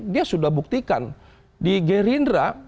dia sudah buktikan di gerindra